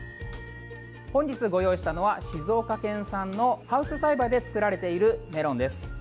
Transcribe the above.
本日ご用意したのは静岡県産のハウス栽培で作られているメロンです。